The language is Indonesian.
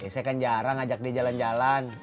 saya kan jarang ajak dia jalan jalan